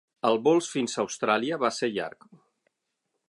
El vol fins a Austràlia va ser llarg.